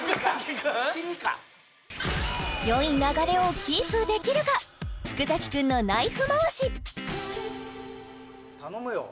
君かよい流れをキープできるか福崎くんのナイフまわし頼むよ